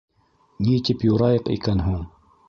- Ни тип юрайыҡ икән һуң?